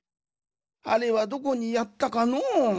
あれはどこにやったかのう？